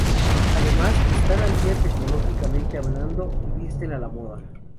Además, están al día tecnológicamente hablando y visten a la moda.